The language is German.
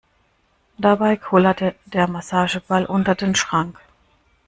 Dabei kullerte der Massageball unter den Schrank.